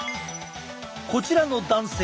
こちらの男性。